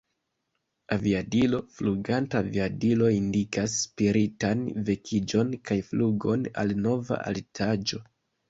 Aviadilo: Fluganta aviadilo indikas spiritan vekiĝon kaj flugon al nova altaĵo.